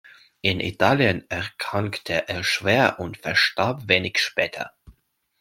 In Italien erkrankte er schwer und verstarb wenig später.